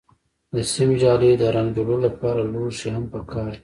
د سیم جالۍ، د رنګ جوړولو لپاره لوښي هم پکار دي.